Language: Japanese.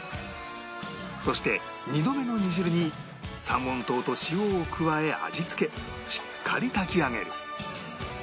そして２度目の煮汁に三温糖と塩を加え味付けしっかり炊き上げる